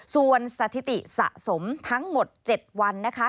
ส่วนสถิติสะสมทั้งหมด๗วันนะคะ